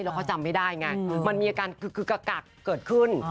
แล้วเขาจำไม่ได้ไงมันมีอาการกึกกักเกิดขึ้น